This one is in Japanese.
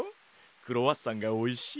クロワッサンがおいしい。